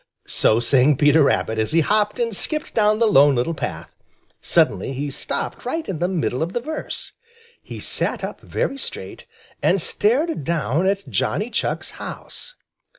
So sang Peter Rabbit as he hopped and skipped down the Lone Little Path. Suddenly he stopped right in the middle of the verse. He sat up very straight and stared down at Johnny Chuck's house.